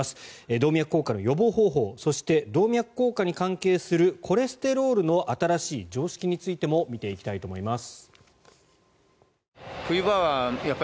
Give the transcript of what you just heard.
動脈硬化の予防方法そして、動脈硬化に関係するコレステロールの新しい常識についても見ていきたいと思います。